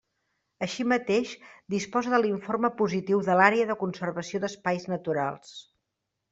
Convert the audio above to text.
Així mateix, disposa de l'informe positiu de l'Àrea de Conservació d'Espais Naturals.